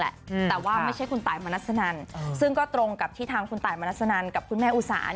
แต่ว่าไม่ใช่คุณตายมณัสนันซึ่งก็ตรงกับที่ทางคุณตายมนัสนันกับคุณแม่อุสาน